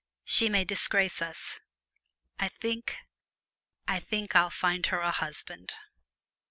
She may disgrace us! I think I think I'll find her a husband."